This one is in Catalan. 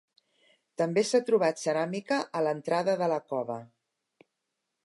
També s'ha trobat ceràmica a l'entrada de la cova.